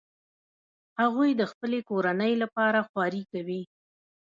هغوی د خپلې کورنۍ لپاره خواري کوي